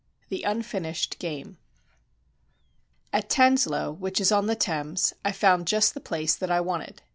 THE UNFINISHED GAME At Tanslowe, which is on the Thames, I found just the place that I wanted.